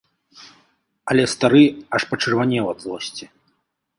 Але стары аж пачырванеў ад злосці.